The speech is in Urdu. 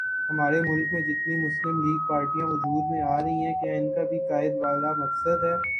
ہمارے ملک میں جتنی مسلم لیگ پارٹیاں وجود میں آرہی ہیں کیا انکا بھی قائد والا مقصد ہے